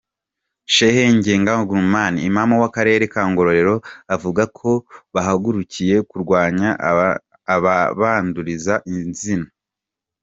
Shehe Nkenga Gulam, Immam w’akarere ka Ngororero avuga ko bahagurukiye kurwanya ababanduriza izina.